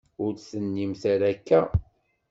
Ur d-tennimt ara akka.